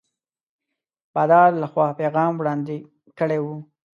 بادار له خوا پیغام وړاندي کړی وو.